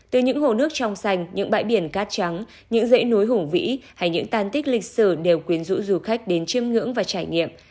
từ những hồ nước trong xanh những bãi biển cát trắng những dãy núi hủng vĩ hay những tàn tích lịch sử đều quyến rũ du khách đến chiêm ngưỡng và trải nghiệm